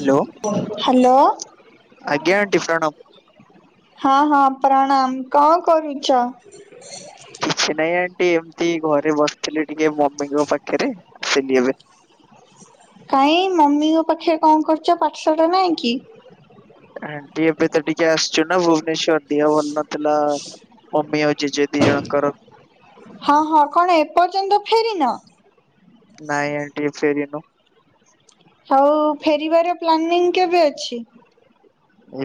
Hello hello. ଆଜ୍ଞା aunty ପ୍ରଣାମ। ହଁ- ହଁ ପ୍ରଣାମ୍। କଣ କରୁଚ? କିଛି ନାଇଁ ଆଣ୍ଟି ଏମତି ଘରେ ବସିଥିଲି ଟିକେ ମମିଙ୍କ ପାଖେରେ ଆସିଲି ଏବେ। କାଇଁ ମମିଙ୍କ ପାଖେରେ କଣ କରୁଚ ପାଠ ସାଠ ନାହିଁ କି? ଆଣ୍ଟି ଏବେ ତ ଟିକେ ଆସିଚୁ ନା ଭୁ ଭୁବନେଶ୍ୱର ଦେହ ଭଲ ନଥିଲା ମମି ଆଉ ଜେଜେ ଦି ଜଣଙ୍କର। ହଁ -ହଁ କଣ ଏପର୍ଯ୍ୟନ୍ତ ଫେରିନ? ନାଇଁ ଆଣ୍ଟି ଫେରିନୁ। ହଉ ଫେରିବାର ପ୍ଲାନିଂ କେବେ ଅଛି?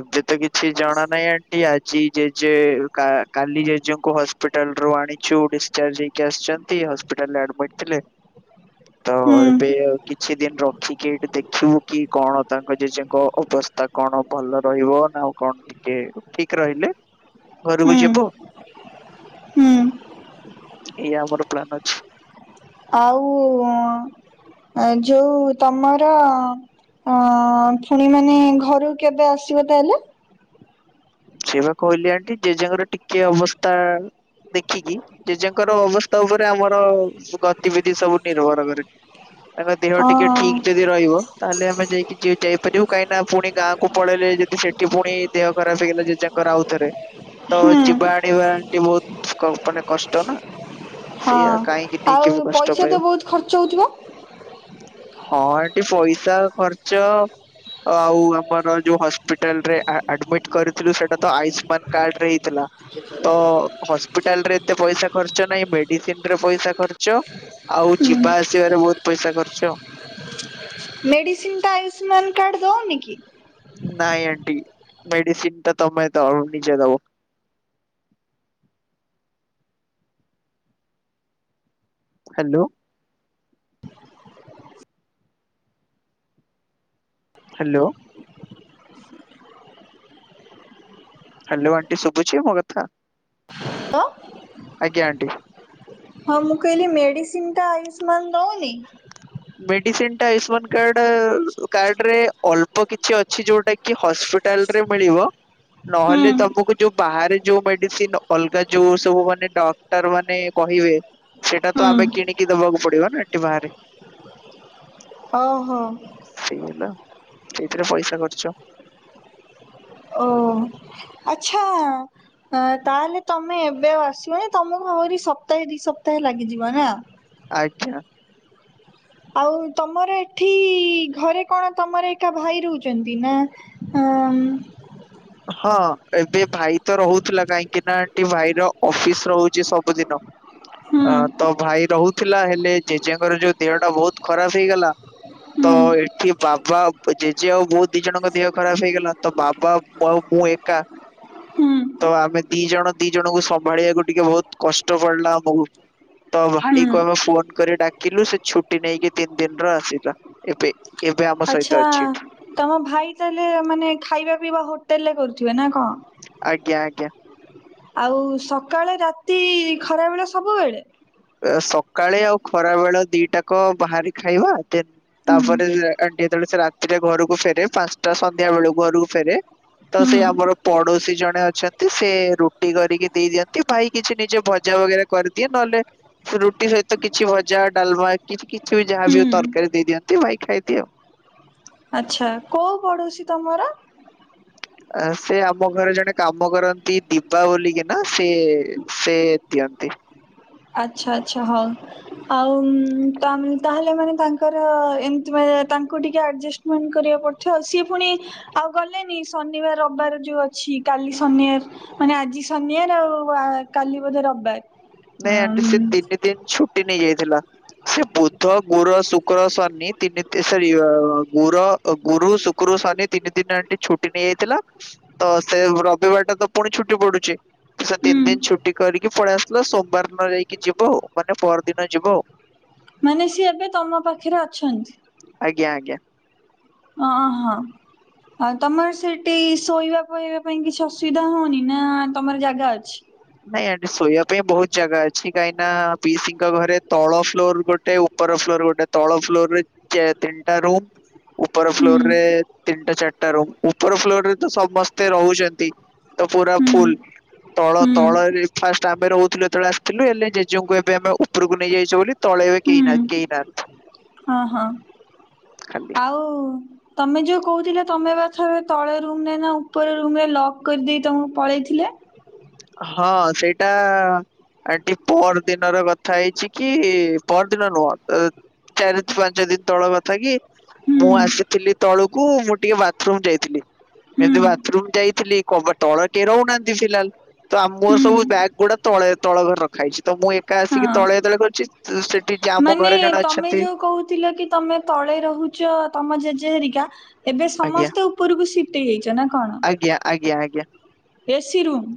ଏବେ ତ କିଛି ଜଣା ନାହିଁ ଆଣ୍ଟି ଆଜି ଜେଜେ କା-କାଲି ଜେଜେଙ୍କୁ ହସ୍ ହସ୍ପିଟାଲରୁ ଆଣିଚୁ ଡିସଚାର୍ଜ ହେଇକି ଆସିଚନ୍ତି ହସ୍ପିଟାଲ୍ ରେ ଆଡମିଟ୍ ଥିଲେ। ତ ହୁଁ ଏବେ ଆଉ କିଛି ଦିନ୍ ରଖିକି ଏଠି ଦେଖ୍ [unintelligible] କି କଣ ତାଙ୍କ ଜେଜେଙ୍କ ଅବସ୍ଥା କଣ ଭଲ ରହିବ ନା ଆଉ କଣ ଟିକେ ଠିକ୍ ରହିଲେ ହୁଁ ଘରକୁ ଯିବୁ। ହୁଁ। ଏୟା ଆମର ପ୍ଲାନ୍ ଅଛି। ଆଉ ଏ ଯଉ ତମର ଅଁ- ଫୁଣି ମାନେ ଘରୁକୁ କେବେ ଆସିବ ତାହେଲେ? ସେଇ ବା କହିଲି ଆଣ୍ଟି ଜେଜେଙ୍କର ଟିକେ ଅବସ୍ଥା ଦେଖିକି ଜେଜେଙ୍କର ଅବସ୍ଥା ଉପରେ ଆମର ଗତିବିଧି ସବୁ ନିର୍ଭର କରେ। ତାଙ୍କ ଦେହ ଅ ଟିକେ ଠିକ୍ ଯଦି ରହିବ ତାହେଲେ ଆମେ ଯାଇକି ଯିଏ ଯାଇପାରିବୁ କାହିଁକିନା ପୁଣି ଗାଁକୁ ପଳେଇଲେ ଯଦି ସେଠି ପୁଣି ଦେହ ଖରା ଖରାପ୍ ହେଇଗଲା ଜେଜେଙ୍କର ଆଉଥରେ ତ ହୁଁ ଯିବା ଆଣିବା ଟିକେ ବହୁତ୍ କ-ମାନେ କଷ୍ଟ ନା। ହଁ ସେଇଆ କାହିଁକି ଆଉ ନେଇକି ବି କଷ୍ଟ ପଇସା ପାଇବୁ ତ ବହୁତ୍ ଖର୍ଚ୍ଚ ହଉଥିବ? ହଁ ଆଣ୍ଟି ପଇସା ଖର୍ଚ୍ଚ ଆଉ ଆମର ଯୋଉ ହସ୍ପିଟାଲରେ ଆଡମିଟ। କରିଥିଲୁ ସେଟା ତ ଆୟୁଷ୍ମାନ କାର୍ଡ ରେ ହେଇଥିଲା। ତ ହସ୍ପିଟାଲରେ ଏତେ ପଇସା ଖର୍ଚ ନାହିଁ ମେଡିସିନ ରେ ପଇସା ଖର୍ଚ୍ଚ। ଆଉ ଯିବା ଆସିବାରେ ବହୁତ ପଇସା ଖର୍ଚ। ମେଡ଼ିସିନ୍ଟା ଆୟୁଷ୍ମାନ କାର୍ଡ଼ ଦେଉନି କି। ନାଇଁ ଆଣ୍ଟି ମେଡିସିନ ଟା ତମେ ନିଜେ ଦବ। ହ୍ୟାଲୋ। ହ୍ୟାଲୋ। ହ୍ୟାଲୋ ଆଣ୍ଟି ଶୁଭୁଛି ମୋ କଥା। ହ୍ୟାଲୋ। ଆଜ୍ଞା ଆଣ୍ଟି। ହଁଁ ହେଲି ମେଡ଼ିସିନ୍ଟା ଆୟୁଷ୍ମାନ ଦେଉନି। ମେଡିସିନ ଟା ଆୟୁଷ୍ମାନ କାର୍ଡ କାର୍ଡ ରେ ଅଳ୍ପ କିଛି। କି ଅଛି ଯୋଉଟା କି ହସ୍ପିଟାଲ ରେ ମିଳିବ ନହେଲେ ତମକୁ। ଯୋଉ ବାହାରେ ଯୋଉ ମେଡିସିନ ଅଲଗା ଯୋଉ ସବୁ ମାନେ ଡକ୍ଟର ମାନେ କହିବେ। ସେଇଟା ତ ଆମେ କିଣିକି ଦବାକୁ ପଡିବ ନା ଏଠି ବାହାରେ। ହଁ ହଁ। ସେଇ ହେଲା ସେଇଥିରେ ପଇସା ଖର୍ଚ। ଓ ଆଚ୍ଛା। ହ ତାହେଲେ ତମେ ଏବେ ଆସିବନି ତମକୁ ଆହୁରି ସପ୍ତାହେ ଦି ସପ୍ତାହେ ଲାଗିଯିବ ନା। ଆଜ୍ଞା। ଆଉ ତମର ଏଠି ଘରେ କଣ ତମର ଏକା ଭାଇ ରହୁଛନ୍ତି ନା। ହ। ହଁ ଏବେ ଭାଇ ତ ରହୁଥିଲା କାହିଁକି ନା ଏ ଭାଇର ଅଫିସ ରହୁଛି ସବୁଦିନ। ହୁଁ ଅ ତ ଭାଇ ରହୁଥିଲା ହେଲେ ଜେଜେଙ୍କର ଯୋଉ ଦେହ ଟା ବହୁତ ଖରାପ ହେଇଗଲା। ତ ଏଠି ବାବା ଜେଜେ ଆଉ ବହୁତ ଦି ଜଣଙ୍କ ଦେହ ଖରାପ ହେଇଗଲା ତ ବାବା। ବ ମୁଁ ଏକା। ହୁଁ ତ ଆମେ ଦି ଜଣ ଦି ଜଣଙ୍କୁ ସମ୍ଭାଳିବାକୁ ଟିକେ ବହୁତ କଷ୍ଟ ପଡିଲା ଆମକୁ। ତ ଭାଇ ହୁଁ କ ଆମେ ଫୋନ କରି ଡାକିଲୁ ସେ ଛୁଟି ନେଇକି ତିନି ଦିନ ର ଆସିଲା। ଏବେ। ଏବେ ଆମ ସହିତ ଆଚ୍ଛା ଅଛି ଏଠି। ତମ ଭାଇ ତାହେଲେ ମାନେ ଖାଇବା ପିଇବା ହୋଟେଲରେ କରୁଥିବେ ନା କଣ। ଆଜ୍ଞା ଆଜ୍ଞା। ଆଉ ସକାଳେ ରାତି ଖରାବେଳେ ସବୁବେଳେ। ସକାଳେ ଆଉ ଖରା ବେଳ ଦିଟାକ ବାହାରି ଖାଇବା ଦେ। ହୁଁ ତାପରେ ଯେ ଯେତେବେଳେ ସେ ରାତିରେ ଘରକୁ ଫେରେ ପାଞ୍ଚଟା ସନ୍ଧ୍ୟା ବେଳକୁ ଘରକୁ ଫେରେ। ତ ସେ ହୁଁ ଆମର ପଡୋଶୀ ଜଣେ ଅଛନ୍ତି ସେ ରୁଟି କରିକି ଦେଇ ଦିଅନ୍ତି ଭାଇ କିଛି ନିଜ ଭଜା ବଗେରା। କରିଦିଏ ନ ହେଲେ। ରୁଟି ସହିତ କିଛି ଭଜା ଡାଲମା କିଛି କିଛି ବି ଯାହା ବି ଆଉ ହୁଁ ତରକାରୀ ଦେଇଦିଅନ୍ତି ଭାଇ ଖାଇଦିଏ ଆଉ। ଆଛା କୋଉ ପଡୋଶୀ ତମର। ସେ ଆମ ଘରେ ଜଣେ କାମ କରନ୍ତି ଦିବା ବୋଲିକିନା ସେ ସେ ଦିଅନ୍ତି। ଆଚ୍ଛା ଆଚ୍ଛା ହଉ ଆଉ ତ ଆମେ। ତାହେଲେ ମାନେ ତାଙ୍କର ଏମତି ମାନେ ତାଙ୍କୁ ଟିକିଏ ଆଡ଼ଜଷ୍ଟମେଣ୍ଟ କରିବାକୁ ପଡ଼ିଥିବ ଆଉ ସିଏ ପୁଣି। ଆଉ ଗଲେନି ଶନିବାର ରିବାର ଯୋଉ ଅଛି କାଲି ଶନିବାର। ମାନେ ଆଜି ସନିବାର ଆଉ କାଲି ବୋଧେ ରବିବାର। ନାଇଁ ଆଣ୍ଟି ସେ ଆମ୍, ତିନି ଦିନ ଛୁଟି ନେଇ ଯାଇଥିଲା। ସେ ବୁଧ ଗୁରୁ ଶୁକ୍ର ଶନି ତିନି ଏ ସରି ଅ ଗୁର। ଗୁରୁ ଶୁକ୍ରୁ ଶନି ତିନି ଦିନ ଆଣ୍ଟି ଛୁଟି ନେଇଯାଇଥିଲା। ତ ସେ ରବିବାର ଟା ତ ପୁଣି ଛୁଟି ପଡୁଛି ସେ ତିନି ହୁଁ ଦିନ ଛୁଟି କରିକି ପଳେଇଆସ୍ ସି ଥିଲା ସୋମବାର ଦିନ ଯାଇକି ଯିବ ଆଉ ମାନେ ପର ଦିନ ଯିବ ଆଉ। ମାନେ ସିଏ ଏବେ ତମ ପାଖରେ ଅଛନ୍ତି। ଆଜ୍ଞା ଆଜ୍ଞା। ଅ ହଁ। ଆଉ ତମର ସେଇଠି ଶୋଇବା ଫୋଇବା ପାଇଁ କିଛି ଅସୁବିଧା ହଉନି ନା ତମର ଜାଗା ଅଛି। ନାଇଁ ଆଣ୍ଟି ଶୋଇବା ପାଇଁ ବହୁତ ଜାଗା ଅଛି କାହିଁକି ନା ପିସିଙ୍କ ଘରେ ତଳ ଫ୍ଲୋର ଗୋଟେ ଉପ ଉପର ଫ୍ଲୋର ଗୋଟେ ତଳ ଫ୍ଲୋର କେ ତିନିଟା ରୁମ୍। ଉପର ହୁଁ ଫ୍ଲୋରରେ ତିନିଟା ଚାରିଟା ରୁମ ଉପର ଫ୍ଲୋର ରେ ତ ସମସ୍ତେ ରହୁଛନ୍ତି। ତ ପୁରା ହୁଁ ଫୁଲ ତଳ। ହୁଁ। ତଳରେ ଫାଷ୍ଟ ଆମେ ରହୁଥିଲୁ ଯେତେବେଳେ ଆସିଥିଲୁ ଏଲେ ଜେଜେଙ୍କୁ ଏବେ ଆମେ ଉପରକୁ ନେଇଯାଇଛୁ ବୋଲି ତଳେ ଏବେ ହୁଁ କେହି ନାହିଁ। କେଇ ନାହାନ୍ତି। ହଁ ହଁ ଖାଲି ଆଉ। ତମେ ଯୋଉ କହୁଥିଲ ତମେ ବା ଥରେ ତଳ ରୁମ ରେ ନା ଉପର ରୁମ୍ରେ ଲକ୍ କରିଦେଇ ତମକୁ ପଳେଇଥିଲେ। ହଁ ସେଇଟା। ଆଣ୍ଟି ପଅର ଦିନ ର କଥା ହେଇଛି କି ପଅର ଦିନ ନୁହଁ। ଚାରି ପାଞ୍ଚ ଦିନ ତଳ କଥା କି। ହୁଁ ମୁଁ ଆସିଥିଲି ତଳୁକୁ ମୁଁ ଟିକେ ବାଥରୁମ ଯାଇଥିଲି। ହୁଁ ଯେମତି ବାଥରୁମ ଯାଇଥିଲି କବାଟ ତଳେ କେହି ରହୁ ନାହାନ୍ତି ଫିଲହାଲ୍। ତ ଆ ମୋର ହୁଁ ସବୁ ବ୍ୟାଗ୍ ଗୁଡା ତଳେ ତଳ ଘରେ ରଖା ହେଇଛି ତ ମୁଁ ଏକା ଆସିକି ହଁ ତଳେ ତଳେ ଗଳିଛି। ଯୋଉ ସେଠି ଯା ମାନେ ତମେ ଯୋଉ କହୁଥିଲ କି ତମେ। ତଳେ ରହୁଛ ତମ ଜେଜେ ହେରିକା ଏବେ ଆଜ୍ଞା ସମସ୍ତେ ଉପରକୁ ସିଫ୍ଟ ହେଇଯାଇଛ ନା କଣ। ଆଜ୍ଞା ଆଜ୍ଞା ଆଜ୍ଞା। AC room.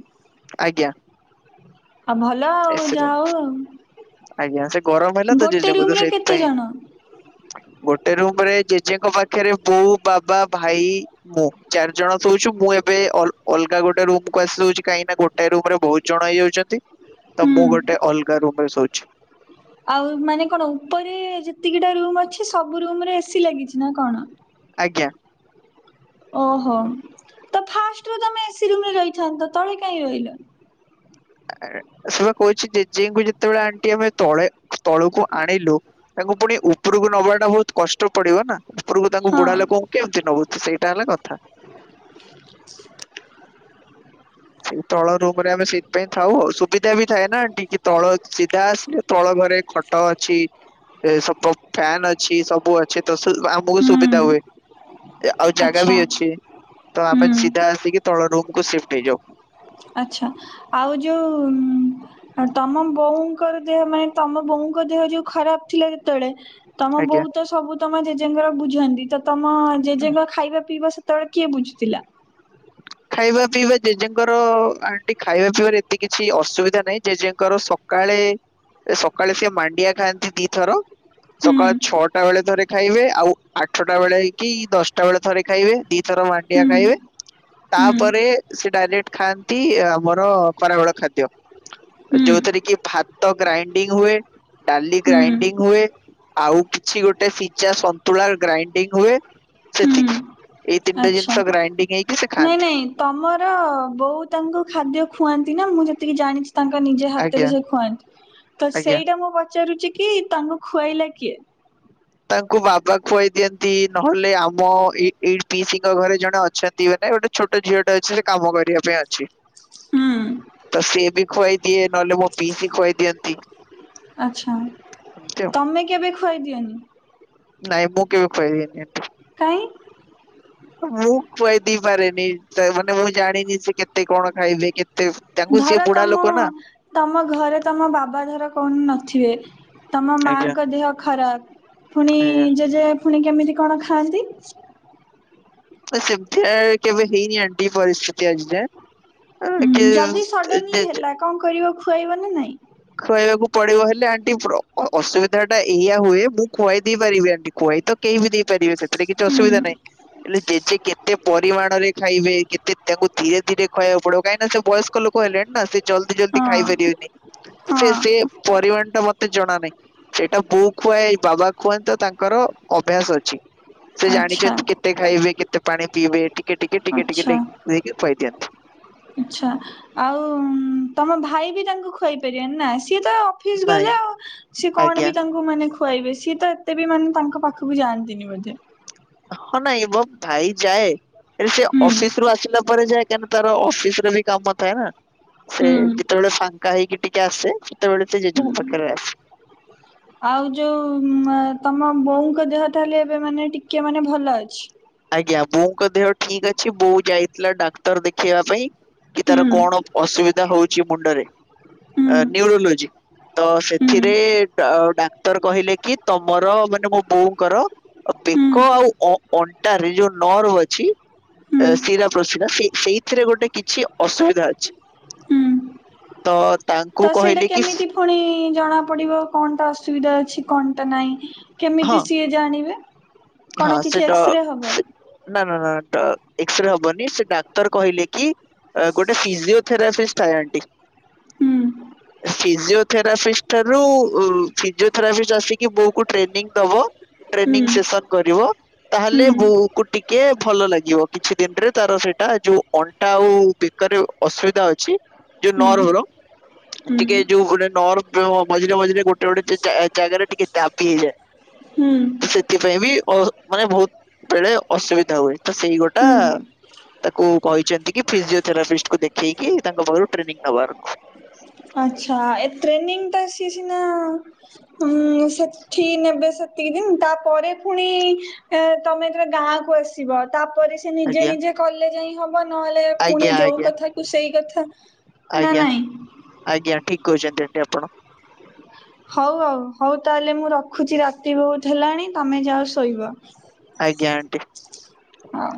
ଆଜ୍ଞା। ଆଉ ଭଲ ଆଉ ଏସି ଯା ରୁମ୍ ହଉ ଆଉ। ଆଜ୍ଞା ସେ ଗରମ ହେଲା ତ ଗୋଟେ ଜେଜଙ୍କୁ ରୁମ୍ ତ ରେ କେତେ ସେଇଥିପାଇଁ। ଜଣ? ଗୋଟେ ରୁମ ରେ ଜେଜେଙ୍କ ପାଖରେ ବୋଉ ବାବା ଭାଇ। ମୁଁ ଚାରି ଜଣ ଶଉଛୁ ମୁଁ ଏବେ ଅଲ ଅଲଗା ଗୋଟେ ରୁମକୁୁ ଆସି ସୋଉଛି କାହିଁକି ଗୋଟ୍ ଗୋଟାଏ ରୁମରେ ବହୁତ ଜଣ ହେଇ ଯାଉଛନ୍ତି ତ ହୁଁ। ମୁଁ ଗୋଟେ ଅଲଗା ରୁମ୍ ରେ ଶୋଉଛି। ଆଉ ମାନେ କଣ ଉପରେ ଯେତିକିଟା ରୁମ ଅଛି ସବୁ ରୁମରେ ଏସି ଲାଗିଛି ନା କଣ। ଆଜ୍ଞା। ଓହୋ ତ ଫାଷ୍ଟ ରୁ ତମେ ଏସି ରୁମ ରେ ରହିଥାନ୍ତ ତଳେ କାହିଁ ରହିଲ। ଆ ସେଇ ବା କହୁଛି ଜେଜେଙ୍କୁ ଯେତେବେଳେ ଆଣ୍ଟି ଆମେ ତଳେ ତଳକୁ ଆଣିଲୁ। ତାଙ୍କୁ ପୁଣି ଉପରକୁ ନବା ଟା ବହୁତ କଷ୍ଟ ପଡିବ ନା। ଉପୁରୁକୁ ତାଙ୍କୁ ବୁଢ଼ା ହଁ ଲୋକଙ୍କୁ କେମିତି ନବୁ ତ ସେଇଟା ହେଲା କଥା। ସେଇ ତଳ ରୁମ ରେ ଆମେ ସେଇଥି ପାଇଁ ଥାଉ ଆଉ ସୁବିଧା ବି ଥାଏ ନା ଆଣ୍ଟି ତଳ ସିଧା ଆସିଲୁ। ତଳ ଘରେ ଖଟ ଅଛି ଏ ସବ ଫ୍ୟାନ ଅଛି ସବୁ ଅଛି। ଛି ତ ସେ ଆମକୁ ହୁଁ ସୁବିଧା ହୁଏ ଆଉ ଜାଗା ଆଚ୍ଛା ବି ଅଛି। ତ ଆମେ ହୁଁ ସିଧା ଆସିକି ତଳ ରୁମକୁୁ ସିଫ୍ଟ ହେଇଯାଉ। ଆଚ୍ଛା ଆଉ ଯୋଉ ଉଁ। ଆଉ ତମ ବୋଉଙ୍କର ଦେହ ମାନେ ତମ ବୋଉଙ୍କ ଦେହ ଯୋଉ ଖରାପ ଥିଲା ଯେତେବେଳେ ତମ ଆଜ୍ଞା। ବୋଉ ତ ସବୁ ତମ ଜେଜେଙ୍କର ବୁଝନ୍ତି ତ ତମ ଜେଜେଙ୍କ ଖାଇବା ପିଇବା ସେତେବେଳେ କିଏ ବୁଝୁଥିଲା। ଖାଇବା ପିଇବା ଜେଜେଙ୍କର ଆଣ୍ଟି ଖାଇବା ପିଇବାରେ ଏତେ କିଛି ଅସୁବିଧା ନାହିଁ ଜେଜେଙ୍କର ସକାଳେ ସକାଳେ ସେି ମାଣ୍ଡିଆ ଖାଆନ୍ତି ଦିଥର ହୁଁ ସକାଳ ଛଅଟା ବେଳେ ଥରେ ଖାଇବେ ଆଉ ଆଠଟା ବେଳେ କି ଦଶଟା ବେଳେ ଥରେ ଖାଇବେ ଦିଥର ମା ହୁଁ ମାଣ୍ଡିଆ ଖାଇବେ। ହୁଁ ତାପରେ ସେ ଡାଇରେକ୍ଟ ଖାଆନ୍ତି ଆମର ଖରାବେଳ ଖାଦ୍ୟ। ହୁଁ ଯୋଉଥିରେ କି ଭାତ ଗ୍ରାଇଣ୍ଡିଙ୍ଗ ହୁଏ ଡାଲି ହୁଁ ଗ୍ରାଇଣ୍ଡିଙ୍ଗ ହୁଏ। ଆଉ କିଛି ଗୋଟେ ସିଝା ସନ୍ତୁଳା ଗ୍ରାଇଣ୍ଡିଙ୍ଗ ହୁଏ ହୁଁ ସେତିକି ଏଇତିନିଟା ଆଚ୍ଛା ଜିନଷ ଗ୍ରାଇଣ୍ଡିଂ ହେଇକି ସେ ନାଇଁ ଖାଆନ୍ତି ନାଇଁ ତମର ବୋଉ ତାଙ୍କୁ ଖାଦ୍ୟ ଖୁଆନ୍ତି ନା ମୁଁ ଯେତିକି ଜାଣିଛି। ତାଙ୍କ ନିଜେ ହାତରେ ଆଜ୍ଞା ସେ ଖୁଆନ୍ତି ତ ଆଜ୍ଞା ସେଇଟା ମୁଁ ପଚାରୁଛି କି ତାଙ୍କୁ ଖୁଆଇଲା କିଏ। ତାଙ୍କୁ ବାବା ଖୁଆଇ ଦିଅନ୍ତି ନହେଲେ ଆମ ଏ ଏଇ ପିସିଙ୍କ ଘରେ ଜଣେ ଅଛନ୍ତି ଦିଅ ନାଇଁ ଗୋଟେ ଛୋଟ ଝିଅଟା ଅଛି ସେ କାମ କରିବା ପାଇଁ ଅଛି। ହୁଁ ତ ସିଏ ବି ଖୁଆଇ ଦିଏ ନହେଲେ ମୋ ପିଇସି ଖୁଆଇ ଦିଅନ୍ତି। ଆଚ୍ଛା ଏମିତି ଆଉ। ତମେ କେବେ ଖୁଆଇଦିଅନି। ନାଇଁ ମୁଁ କେବେ ଖୁଆଇ ଦିଏନି। କାହିଁ ମୁଁ ଖୁଆଇଦେଇ ପାରେନି ମାନେ ମୁଁ ଜାଣିନି ସେ କେତେ କଣ ଖାଇବେ କେତେ ତାଙ୍କୁ ସେ ଧର ବୁଢା ତମ ଲୋକ ନା ତମ ଘରେ ତମ ବାବା ଧର କଣ ନଥିବେ ତମ ଆଜ୍ଞା ମାଙ୍କ ଦେହ ଖରାପ ପୁଣି ଆଜ୍ଞା। ଜେଜେ ପୁଣି କେମିତି କଣ ଖାଆନ୍ତି। ତ ସେମତିଆ କେବେ ହେଇନି ଆଣ୍ଟି ପରିସ୍ଥିତି ଆଜି ଯାଏଁ ହୁଁ ଯଦି ସଡନଲି ହେଲା [unintelligible] କଣ କରିବ ଖୁଆଇବ ନା ନାଇଁ ଖୁଆଇବାକୁ ପଡିବ ହେଲେ ଆଣ୍ଟି ଅସୁବିଧା ଟା ଏଇଆ ହୁଏ ମୁଁ ଖୁଆଇ ଦେଇ ପାରିବି ଆଣ୍ଟି ଖୁଆଇ ତ କେହି ବି ଦେଇପାରିବେ ସେଥିରେ କିଛି ହୁଁ ଅସୁବିଧା ନାହିଁ। ହେଲେ ଜେଜେ କେତେ ପରିମାଣରେ ଖାଇବେ କେତେ ତାଙ୍କୁ ଧୀରେ ଧୀରେ ଖୁଆବାକୁ ପଡିବ କାହିଁକି ନା ସେ ବୟସ ଲୋକ ହେଲେଣି ନା ସେ ଜଲଦି ହଁ ଜଲଦି ଖାଇପାରିବେନି ହଁ ସେ ସେ ପରିମାଣ ଟା ମତେ ଜଣା ନାହିଁ। ସେଇଟା ବୋଉ ଖୁଆଏ ବାବା ଖୁଆନ୍ତି ତ ତାଙ୍କର ଅଭ୍ୟାସ ଅଛି। ସେ ଆଚ୍ଛା ଜାଣିଛନ୍ତି କେତେ ଖାଇବେ କେତେ ପାଣି ପିଇବେ ଟିକେ ଟିକେ ଟିକେ ଟିକେ ଆଚ୍ଛା। କରିକି ଖୁଆଇ ଦିଅନ୍ତି। ଆଚ୍ଛା ଆଉ ତମ ଭାଇ ବି ତାଙ୍କୁ ଖୁଆଇ ପାରିବନି ନା ସିଏ ତ ଫିସ୍ ନାଇଁ ଗଲେ ଆଉ ସେ ଆଜ୍ଞା। କଣ ବି ତାଙ୍କୁ ମାନେ ଖୁଆଇବେ ସିଏ ତ ଏତେ ବି ମାନେ ତାଙ୍କ ପାଖକୁ ଯାଆନ୍ତିନି ବୋଧେ। ହଁ ନାଇଁ ମୋ ଭାଇ ଯାଏ ସେ ହୁଁ ଅଫିସ ରୁ ଆସିଲା ପରେ ଯାଏ କାଁକି ତ ତ ଅଫିସରେ ବି କାମ ଥାଏ ନା ହୁଁ ସେ ଯେତେବେଳେ ଫାଙ୍କା ହେଇକି ଟି ଟିକେ ଆସେ ସେତେବେଳେ ସେ ଜେଜେ ହୁଁ ଙ୍କ ପାଖରେ ଆସେ। [inaudible] ଆଉ ଯୋଉ ତମ ବୋଉଙ୍କ ଦେହ ତାହେଲେ ଏବେ ମାନେ ଟିକେ ମାନେ ଭଲ ଅଛି। ଆଜ୍ଞା ବୋଉଙ୍କ ଦେହ ଠିକ ଅଛି ବୋଉ ଯାଇଥିଲା ଡାକ୍ତର ଦେଖେଇବା ପାଇଁ କି ହୁଁ ତାର କଣ ଅସୁବିଧା ହଉଛି ମୁଣ୍ଡରେ ହୁଁ ନ୍ୟୁରୋଲୋଜି। ତ ହୁଁ ସେଥିରେ ଡାକ୍ତର କହିଲେ କି ତମର ମାନେ ମୋ ବୋଉଙ୍କର ହୁଁ ବେକ ଆଉ ଅ ଅନ୍ ରେ ଯୋଉ ନର୍ଭ ଅଛି ହୁଁ ଶିରା ପ୍ରସିରା ସେ ସେଇ ଏଥିରେ ଗୋଟେ କିଛି ଅସୁବିଧା ଅଛି। ତ ହୁଁ ତାଙ୍କୁ ତ ସେଇଟା କହିଲେ କି କେମିତି ପୁଣି ଜଣା ପଡିବ କଣ ଟା ଅସୁବିଧା ଅଛି କଣଟା ନାହିଁ ହଁ କେମିତି ସିଏ ଜାଣିବେ ହଁ କଣ ସେ କିଛି ଡ ଏକ୍ସରେ ହେବ। ସେ ନା ନା ନା ଏକ୍ସରେ ହବନି ସେ ଡାକ୍ତର କହିଲେ କି ଗୋଟେ ଫିଜିଓଥେରାପିଷ୍ଟ ଥାଏ ଆଣ୍ଟି ହୁଁ। ଫିଜିଓଥେରାପିଷ୍ଟ ଠାରୁ ଫିଜିଓଥେରାପିଷ୍ଟ ଆସିକି ବୋଉ କୁ ଟ୍ରେନିଂ ଦବ ଟ୍ରେନିଂ ହୁଁ ସେସ କରିବ ତାହଲେ ବୋଉ ଉ କୁ ଟିକେ ଭଲ ଲାଗିବ କିଛି ଦିନରେ ତାର ସେଇଟା ଯୋଉ ଅଣ୍ଟା ଆଉ ବେକରେ ଅସୁବିଧା ଅଛି ଯୋଉ ନରଭର ଟିକେ ଯୋଉ ଗୋଟେ ନର୍ଭ ମଝିରେ ମଝିରେ ଗୋଟ ଏଠେ ଗୋଟେ ଯା ଯା ଜାଗାରେ ଟିକେ ଦାବି ହେଇଯାଏ ସେଥିପାଇଁ ବି ଅ ମାନେ ବହୁତ ବେଳେ ଅସୁବିଧା ହୁଏ ତ ସେଇ ଗୋଟା ତାକୁ କହିଛନ୍ତି କି ଫିଜିଓଥେରାପିଷ୍ଟକୁ ଦେଖେଇକି ତାଙ୍କ ପାଖରୁ ଟ୍ରେନିଂ ନବାର ଆଚ୍ଛା ଏ ଟ୍ରେନିଂ ଟା ସିଏ ସିନା ହୁଁ ସେଠି ନେବେ ସେତିକି ଦିନ ତାପରେ ଫୁଣି ଏ ତମେ ଏଥିରେ ଗାଁକୁ ଆସିବ ତା ପରେ ସେଏ ନିଜେ ଆଜ୍ଞା ନିଜେ କଲେ ଯାଇଁ ହବ ନହେଲେ ପୁଣି ଆଜ୍ଞା ଯୋଉ ଆଜ୍ଞା କଥାକୁ ସେଇ କଥା। ନା ଆଜ୍ଞା ନାଇଁ? ଆଜ୍ଞା ଠିକ୍ କହିଛନ୍ତି ଆଣ୍ଟି ଆପଣ। ହଉ ଆଉ ହଉ ତାହେଲେ ମୁଁ ରଖୁଛି ରାତି ବହୁତ ହେଲାଣି ତମେ ଯାଅ ଶୋଇବ। ଆଜ୍ଞା ଆଣ୍ଟି। ହଁ।